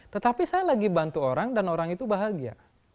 tetapi saya lagi bantu orang dan orang itu bahagia